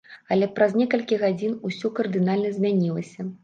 Але праз некалькі гадзін усё кардынальна змянілася.